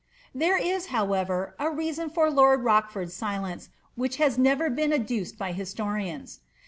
There i>, however, a reason for lord Hochford's silence which bl nevBT been adduced by historians.